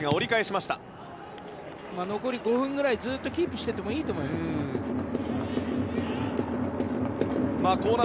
残り５分ぐらいずっとキープしていてもいいと思います。